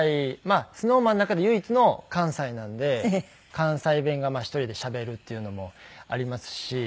ＳｎｏｗＭａｎの中で唯一の関西なんで関西弁が１人でしゃべるっていうのもありますし。